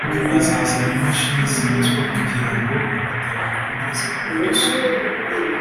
Bazazana imashini zimesa kugira ngo Ibitaro bikomeze kugira isuku